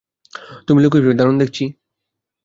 তুমি লোক হিসেবে দারুণ দেখছি।